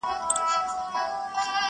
ستا د منزل د مسافرو قدر څه پیژني٫